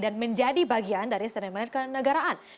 dan menjadi bagian dari senemanan ke negaraan